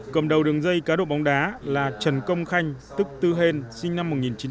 cầm đầu đường dây cá độ bóng đá là trần công khanh tức tư hen sinh năm một nghìn chín trăm tám mươi